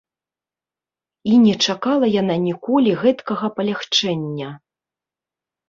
І не чакала яна ніколі гэткага палягчэння.